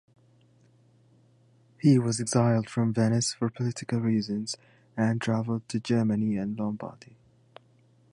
He was exiled from Venice for political reasons, and traveled to Germany and Lombardy.